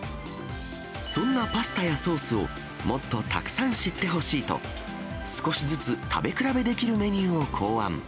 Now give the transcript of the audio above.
そんなパスタやソースをもっとたくさん知ってほしいと、少しずつ食べ比べできるメニューを考案。